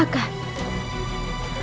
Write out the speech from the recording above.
sampai ketemu di jalan